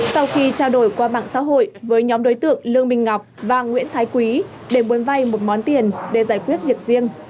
sau khi trao đổi qua mạng xã hội với nhóm đối tượng lương minh ngọc và nguyễn thái quý để muốn vay một món tiền để giải quyết việc riêng